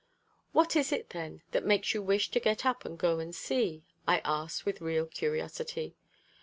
"What is it then that makes you wish to get up and go and see?" I asked with real curiosity.